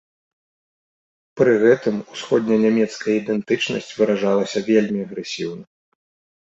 Пры гэтым усходненямецкая ідэнтычнасць выражалася вельмі агрэсіўна.